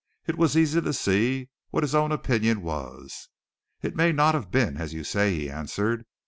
It was easy to see what his own opinion was. "It may not have been as you say," he answered.